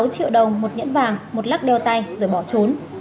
một mươi sáu triệu đồng một nhẫn vàng một lắc đeo tay rồi bỏ trốn